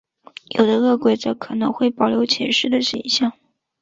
有的饿鬼则可能会保留前世的形象。